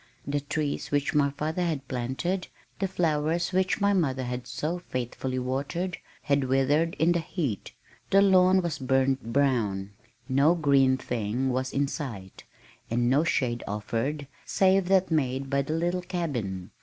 The trees which my father had planted, the flowers which my mother had so faithfully watered, had withered in the heat. The lawn was burned brown. No green thing was in sight, and no shade offered save that made by the little cabin.